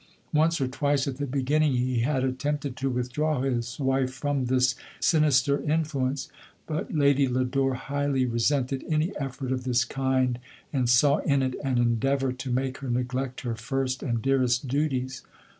Once or twice at the beginning, he had attempted to withdraw his wife from this sinister influence, but Lad} Lodore highly re suited any effort of this kind, and saw in it an endeavour to make her neglect her fir>t and dearest duties.